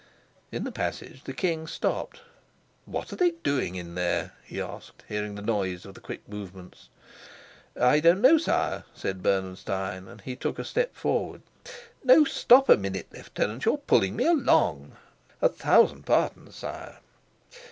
In the passage the king stopped. "What are they doing in there?" he asked, hearing the noise of the quick movements. "I don't know, sire," said Bernenstein, and he took a step forward. "No, stop a minute, Lieutenant; you're pulling me along!" "A thousand pardons, sire."